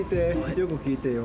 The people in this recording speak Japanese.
よく聴いてよ。